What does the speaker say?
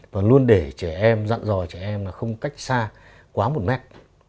và luôn để trẻ em dặn dò trẻ em là không cách xa quá một mét